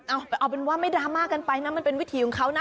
เอาเป็นว่าไม่ดราม่ากันไปนะมันเป็นวิถีของเขานะ